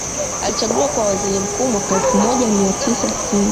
Alichaguliwa kuwa waziri mkuu mwaka elfu moja mia tisa sitini